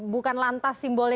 bukan lantas simbolnya